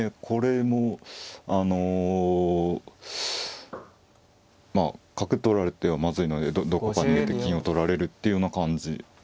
これもまあ角取られてはまずいのでどこか逃げて金を取られるっていうような感じ。